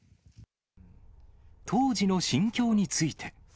当時の心境について。